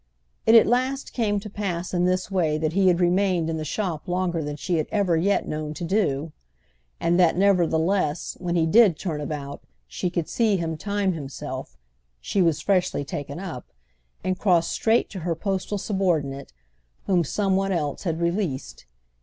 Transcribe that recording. It at last came to pass in this way that he had remained in the shop longer than she had ever yet known to do, and that, nevertheless, when he did turn about she could see him time himself—she was freshly taken up—and cross straight to her postal subordinate, whom some one else had released.